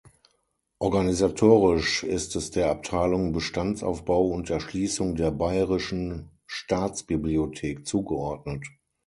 Organisatorisch ist es der Abteilung Bestandsaufbau und Erschließung der Bayerischen Staatsbibliothek zugeordnet.